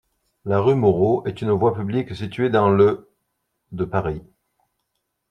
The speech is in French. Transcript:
La rue Mouraud est une voie publique située dans le de Paris.